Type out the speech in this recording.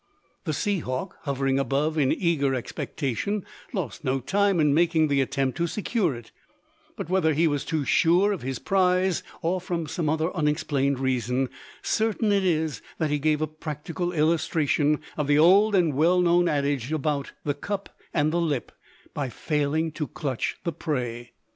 The sea hawk hovering above in eager expectation lost no time in making the attempt to secure it; but whether he was too sure of his prize, or from some other unexplained reason, certain it is that he gave a practical illustration of the old and well known adage about the cup and the lip, by failing to clutch the prey.